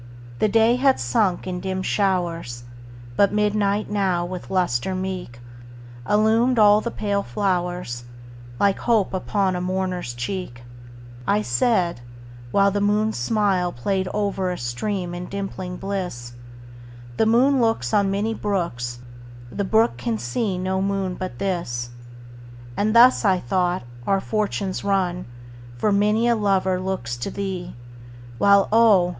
The day had sunk in dim showers, But midnight now, with lustre meek, Illumined all the pale flowers, Like hope upon a mourner's cheek.I said (whileThe moon's smilePlay'd o'er a stream, in dimpling bliss),The moon looksOn many brooks, The brook can see no moon but this; And thus, I thought, our fortunes run, For many a lover looks to thee, While oh!